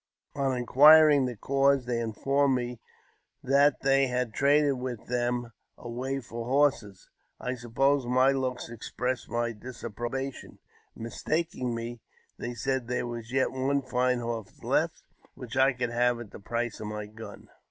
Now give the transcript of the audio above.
On inquiring the cause, they in •ormed me they had traded them away for horses. I suppose I my looks expressed my disapprobation. Mistaking me, they isaid there was yet one fine horse left, which I could have at (the price of my gun.